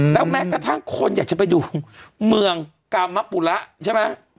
แล้วแม้กระทั่งคนอยากจะไปดูเมืองกามปุระใช่ไหม